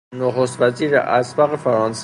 نخست وزیر اسبق فرانسه.